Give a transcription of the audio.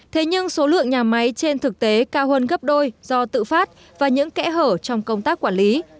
thế nhưng số lượng nhà máy trên thực tế cao hơn gấp đôi do tự phát và những kẽ hở trong công tác quản lý